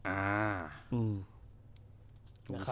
อ่า